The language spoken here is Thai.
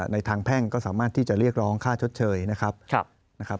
ทางแพ่งก็สามารถที่จะเรียกร้องค่าชดเชยนะครับ